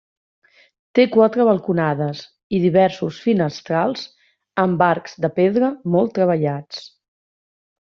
Té quatre balconades i diversos finestrals amb arcs de pedra molt treballats.